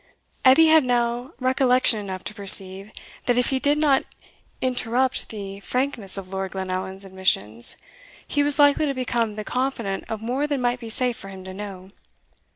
Edie had now recollection enough to perceive, that if he did not interrupt the frankness of Lord Glenallan's admissions, he was likely to become the confidant of more than might be safe for him to know.